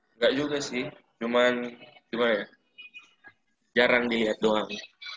enggak juga sih cuman gimana ya jarang dilihat doang